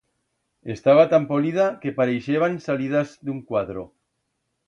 Estaba tan polida que parixeban salidas d'un cuadro.